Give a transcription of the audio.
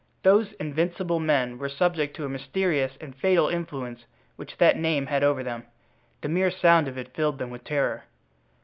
Those invincible men were subject to a mysterious and fatal influence which that name had over them; the mere sound of it filled them with terror.